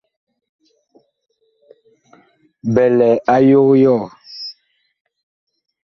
Bi lɛ a yog yɔɔ.